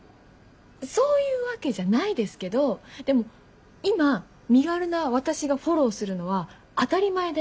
そういうわけじゃないですけどでも今身軽な私がフォローするのは当たり前で。